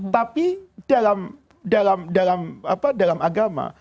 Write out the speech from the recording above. tapi dalam agama